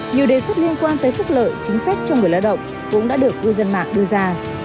nhiều đề xuất liên quan tới phức lợi chính sách cho người lao động cũng đã được ưu dân mạc đưa ra